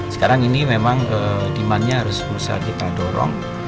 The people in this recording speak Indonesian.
sekarang ini memang demandnya harus berusaha kita dorong